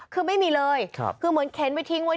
คือไม่มีเลยคือเหมือนเข็นไปทิ้งไว้